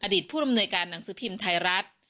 ผู้อำนวยการหนังสือพิมพ์ไทยรัฐ